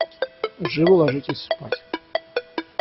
Живо ложитесь спать.